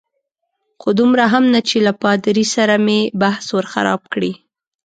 خو دومره هم نه چې له پادري سره مې بحث ور خراب کړي.